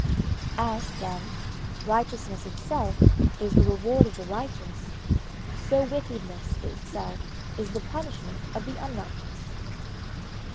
As, then, righteousness itself is the reward of the righteous, so wickedness itself is the punishment of the unrighteous.